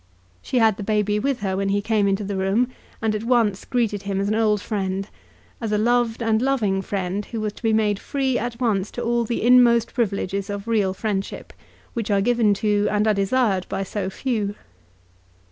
She had the baby with her when he came into the room, and at once greeted him as an old friend, as a loved and loving friend who was to be made free at once to all the inmost privileges of real friendship, which are given to and are desired by so few.